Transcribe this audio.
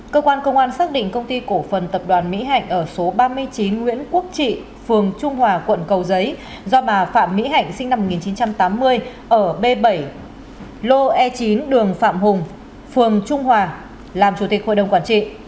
cơ quan công an xác định công ty cổ phần tập đoàn mỹ hạnh ở số ba mươi chín nguyễn quốc trị phường trung hòa quận cầu giấy do bà phạm mỹ hạnh sinh năm một nghìn chín trăm tám mươi ở b bảy lô e chín đường phạm hùng phường trung hòa làm chủ tịch hội đồng quản trị